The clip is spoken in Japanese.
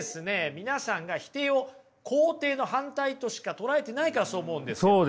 皆さんが否定を肯定の反対としか捉えてないからそう思うんですよ。